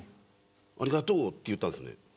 ありがとうと言ったんですね。